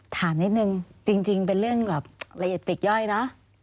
ถามนิดนึงจริงเป็นเรื่องแบบละเอียดติดย่อยนะ